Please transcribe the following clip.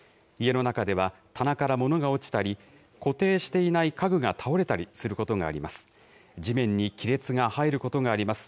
家の中では、棚からものが落ちたり、固定していない家具が倒れたりすることがあります。